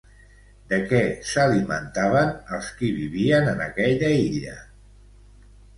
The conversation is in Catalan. De què s'alimentaven els qui vivien en aquella illa?